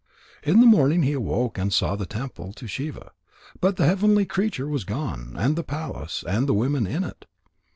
In the morning he awoke and saw the temple to Shiva, but the heavenly creature was gone, and the palace, and the women in it.